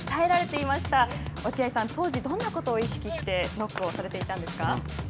当時どんなことを意識してノックをしていたんですか。